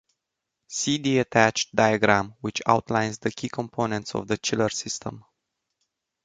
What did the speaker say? See the attached diagram which outlines the key components of the chiller system.